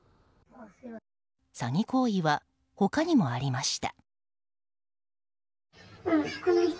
詐欺行為は他にもありました。